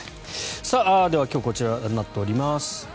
では今日こちらになっております。